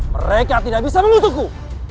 mereka tidak bisa mengutukku